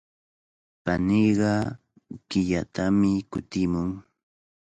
Paniiqa killatami kutimun.